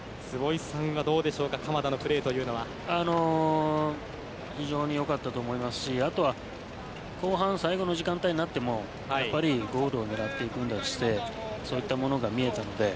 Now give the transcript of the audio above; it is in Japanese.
坪井さんはどうでしょうか非常に良かったと思いますしあとは、後半最後の時間帯になってもやっぱりゴールを狙っていく姿勢そういったものが見えたので。